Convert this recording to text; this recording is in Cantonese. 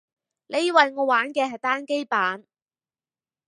你以為我玩嘅係單機版